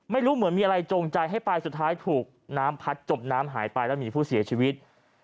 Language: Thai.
ไม่รู้เหมือนมีอะไรจงใจให้ไปสุดท้ายถูกน้ำพัดจมน้ำหายไปแล้วมีผู้เสียชีวิต